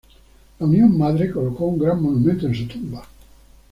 La Unión Madre colocó un gran monumento en su tumba.